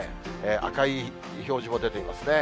赤い表示も出ていますね。